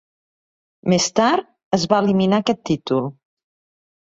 Més tard, es va eliminar aquest títol.